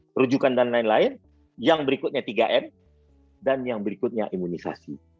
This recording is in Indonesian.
perujukan dan lain lain yang berikutnya tiga m dan yang berikutnya imunisasi